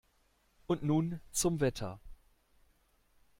Und nun zum Wetter.